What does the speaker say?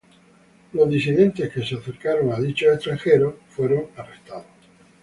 Los disidentes que se acercaron a dichos extranjeros fueron arrestados.